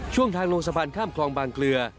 ช่วงทางลงสะพานข้ามคลองบางเกลือ